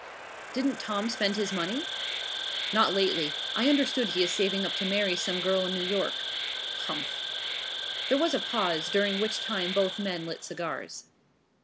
"Don't Tom spend his money?" "Not lately. I understand he is saving up to marry some girl in New York." "Humph." There was a pause, during which time both men lit cigars.